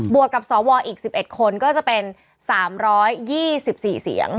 วกกับสวอีก๑๑คนก็จะเป็น๓๒๔เสียง